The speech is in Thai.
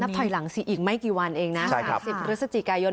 ถอยหลังสิอีกไม่กี่วันเองนะ๓๐พฤศจิกายน